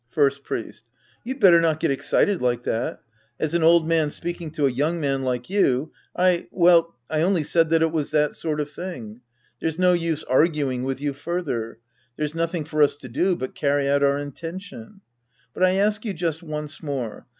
First Priest. You'd better not get excited like that. As an old man speaking to a young man like you, I, well, I only said that it was that sort of thing. There's no use arguing with you further. There's nothing for us to do but carry out our intention. But I ask you just once more.